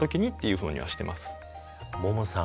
ももさん